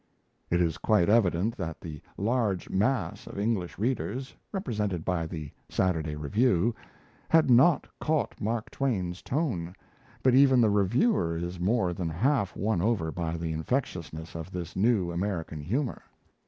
It is quite evident that the large mass of English readers, represented by The Saturday Review, had not caught Mark Twain's tone; but even the reviewer is more than half won over by the infectiousness of this new American humour.